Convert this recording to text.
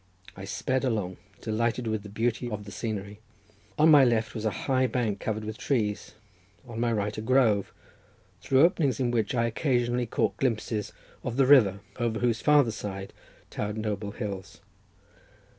I sped along, delighted with the beauty of the scenery. On my left was a high bank covered with trees, on my right a grove, through openings in which I occasionally caught glimpses of the river, over whose farther side towered noble hills.